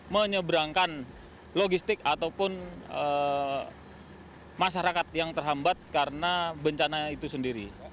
menyeberangkan logistik ataupun masyarakat yang terhambat karena bencana itu sendiri